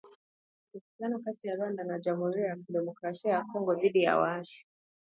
Ushirikiano kati ya Rwanda na Jamuhuri ya Kidemokrasia ya Kongo dhidi ya waasi